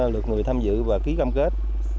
lượt người tham dự và ký cam kết